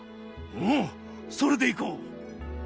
うんそれでいこう。